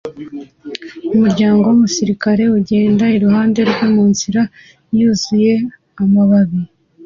Umuryango wumusirikare ugenda iruhande rwe munzira yuzuye amababi